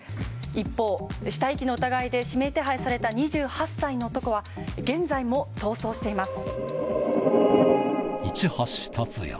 一方死体遺棄の疑いで指名手配された２８歳の男は現在も逃走しています。